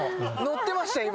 乗ってましたよ